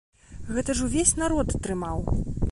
Гэта ж увесь народ трымаў.